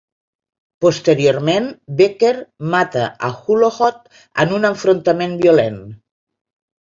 Posteriorment, Becker mata a Hulohot en un enfrontament violent.